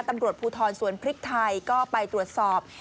ตำรวจภูทรสวนพริกไทยก็ไปตรวจสอบ